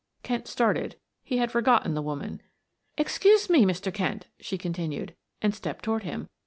Kent started; he had forgotten the woman. "Excuse me, Mr. Kent," she continued, and stepped toward him.